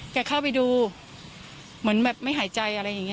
เข้าไปดูเหมือนแบบไม่หายใจอะไรอย่างนี้